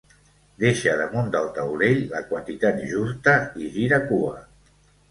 Deixa damunt del taulell la quantitat justa i gira cua.